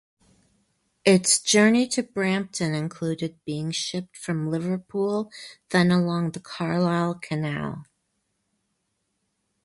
Its journey to Brampton included being shipped from Liverpool then along the Carlisle Canal.